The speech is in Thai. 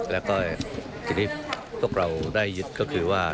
แล้วก็ทีนี้พวกเราได้ยึดก็คือว่า